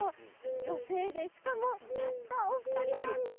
女性で、しかもたったお二人なんです。